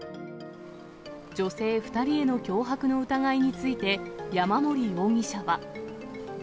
女性２人への脅迫の疑いについて、山森容疑者は。